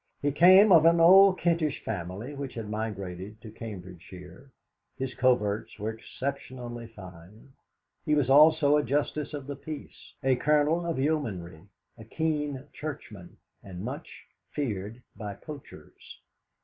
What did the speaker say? He came of an old Kentish family which had migrated to Cambridgeshire; his coverts were exceptionally fine; he was also a Justice of the Peace, a Colonel of Yeomanry, a keen Churchman, and much feared by poachers.